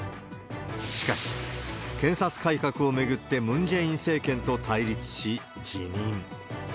しかし、検察改革を巡ってムン・ジェイン政権と対立し、辞任。